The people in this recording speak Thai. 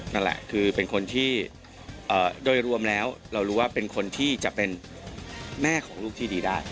นั่นแหละคือเป็นคนที่โดยรวมแล้วเรารู้ว่าเป็นคนที่จะเป็นแม่ของลูกที่ดีได้